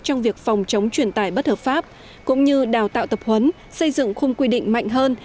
trong việc phòng chống chuyển tải bất hợp pháp cũng như đào tạo tập huấn xây dựng khung quy định mạnh hơn